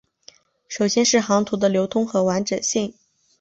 首先是航图的流通和完整性。